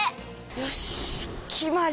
よしきまり。